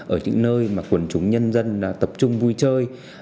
ở những nơi mà quần chúng nhân dân tập trung vui chơi